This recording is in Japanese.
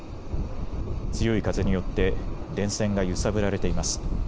強い風によって電線が揺さぶられています。